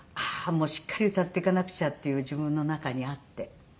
もうしっかり歌っていかなくちゃっていう自分の中にあって。